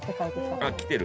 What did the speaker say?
あっきてる？